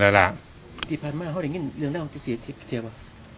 ที่พันมากเขาได้ยินเรื่องราวจริงสิทธิ์พอเทียบอ่ะ